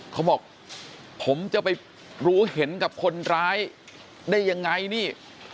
เขาบอกผมจะไปรู้เห็นกับคนร้ายได้ยังไงนี่